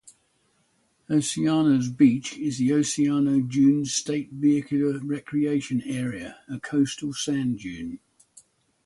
Oceano's beach is the Oceano Dunes State Vehicular Recreation Area, a coastal sand dune.